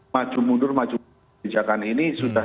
maju mundur maju kebijakan ini sudah